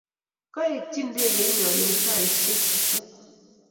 Kaekchi ndegeinyo eng saaishek sosom